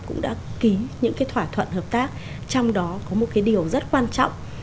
cũng đã ký những cái thỏa thuận hợp tác trong đó có một cái điều rất quan trọng